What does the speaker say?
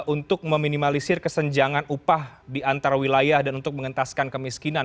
untuk meminimalisir kesenjangan upah di antar wilayah dan untuk mengentaskan kemiskinan